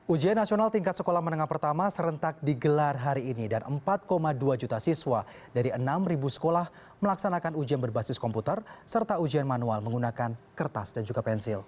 ujian nasional tingkat sekolah menengah pertama serentak digelar hari ini dan empat dua juta siswa dari enam sekolah melaksanakan ujian berbasis komputer serta ujian manual menggunakan kertas dan juga pensil